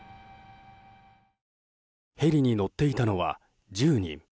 ヘリに乗っていたのは１０人。